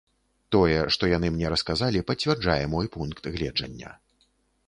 Тое, што яны мне расказалі, пацвярджае мой пункт гледжання.